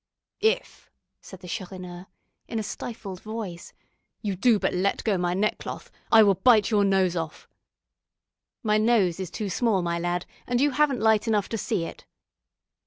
"If," said the Chourineur, in a stifled voice, "you do but let go my neckcloth, I will bite your nose off." "My nose is too small, my lad, and you haven't light enough to see it."